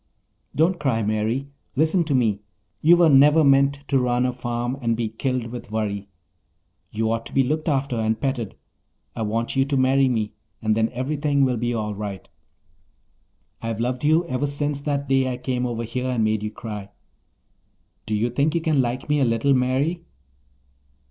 "Don't cry, Mary. Listen to me. You were never meant to run a farm and be killed with worry. You ought to be looked after and petted. I want you to marry me and then everything will be all right. I've loved you ever since that day I came over here and made you cry. Do you think you can like me a little, Mary?"